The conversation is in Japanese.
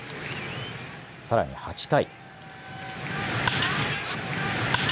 さらに８回。